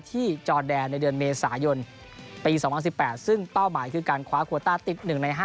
จอแดนในเดือนเมษายนปี๒๐๑๘ซึ่งเป้าหมายคือการคว้าโควต้าติด๑ใน๕